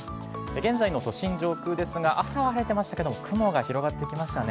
現在の都心上空ですが、朝は晴れてましたけれども、雲が広がってきましたね。